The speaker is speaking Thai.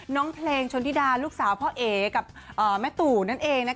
น้องเพลงชนธิดาลูกสาวพ่อเอ๋กับแม่ตู่นั่นเอง